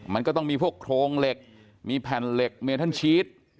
มันก็ต้องมีพวกโครงเหล็กมีแผ่นเหล็กเมทันชีส